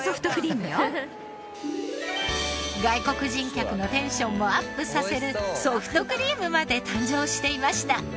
外国人客のテンションもアップさせるソフトクリームまで誕生していました。